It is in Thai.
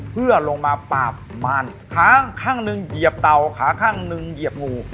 เพื่อลงมาปาบมารขาข้างหนึ่งเหยียบเต่าขาข้างหนึ่งเหยียบงู